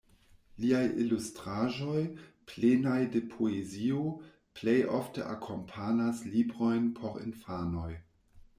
Liaj ilustraĵoj, plenaj de poezio, plej ofte akompanas librojn por infanoj.